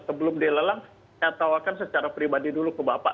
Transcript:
sebelum dilelang saya tawarkan secara pribadi dulu ke bapak